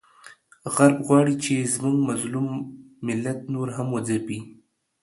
غرب غواړي چې زموږ مظلوم ملت نور هم وځپیږي،